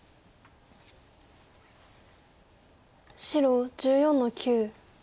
白１４の九。